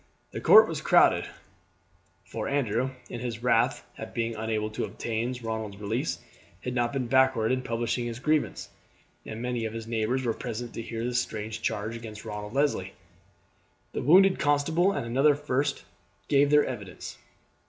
The court was crowded, for Andrew, in his wrath at being unable to obtain Ronald's release, had not been backward in publishing his grievance, and many of his neighbours were present to hear this strange charge against Ronald Leslie. The wounded constable and another first gave their evidence.